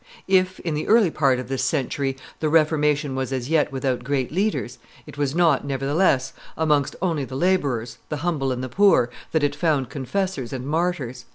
If, in the early part of this century, the Reformation was as yet without great leaders, it was not, nevertheless, amongst only the laborers, the humble and the poor, that it found confessors and martyrs.